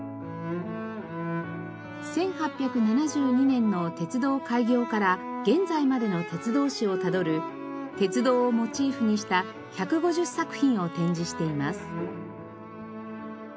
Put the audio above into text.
１８７２年の鉄道開業から現在までの鉄道史をたどる鉄道をモチーフにした１５０作品を展示しています。